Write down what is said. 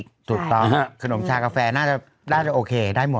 กินชากาแฟน่าจะโอเคได้หมด